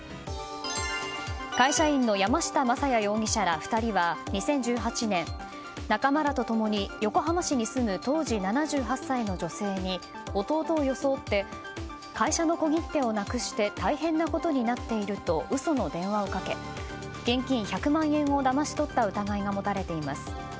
会社員の山下雅也容疑者ら２人は２０１８年仲間らと共に横浜市に住む当時７８歳の女性に弟を装って会社の小切手をなくして大変なことになっていると嘘の電話をかけ現金１００万円をだまし取った疑いが持たれています。